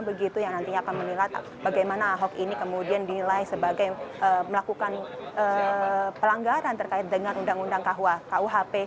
begitu yang nantinya akan menilai bagaimana ahok ini kemudian dinilai sebagai melakukan pelanggaran terkait dengan undang undang kuhp